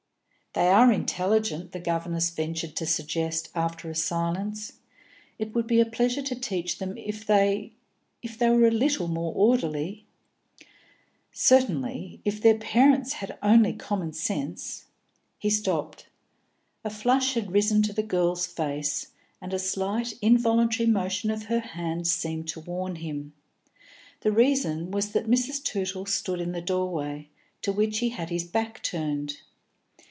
"They are intelligent," the governess ventured to suggest, after a silence. "It would be a pleasure to teach them if they if they were a little more orderly." "Certainly. If their parents had only common sense " He stopped. A flush had risen to the girl's face, and a slight involuntary motion of her hand seemed to warn him. The reason was that Mrs. Tootle stood in the doorway, to which he had his back turned.